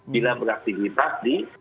bila beraktivitas di